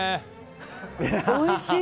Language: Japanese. おいしい！